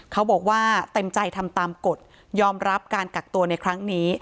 เขาบอกว่าเต็มใจทำตามกฎยอมรับการกักตัวในครั้งนี้